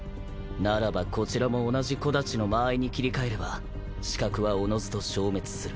ならばこちらも同じ小太刀の間合いに切り替えれば死角はおのずと消滅する。